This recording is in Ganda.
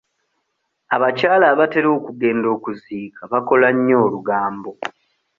Abakyala abatera okugenda okuziika bakola nnyo olugambo.